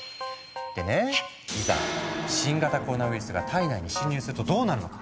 でねいざ新型コロナウイルスが体内に侵入するとどうなるのか。